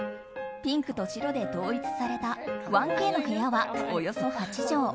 ピンクと白で統一された１Ｋの部屋は、およそ８畳。